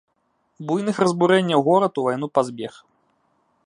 Буйных разбурэнняў горад у вайну пазбег.